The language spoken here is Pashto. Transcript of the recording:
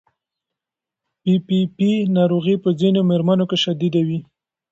پي پي پي ناروغي په ځینو مېرمنو کې شدید وي.